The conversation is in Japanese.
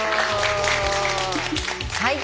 はい。